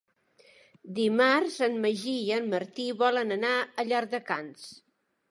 Dimarts en Magí i en Martí volen anar a Llardecans.